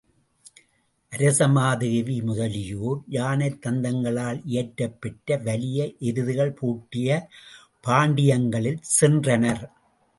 அரச மாதேவி முதலியோர் யானைத் தந்தங்களால் இயற்றப் பெற்று வலிய எருதுகள் பூட்டிய பாண்டியங்களில் சென்றனர்.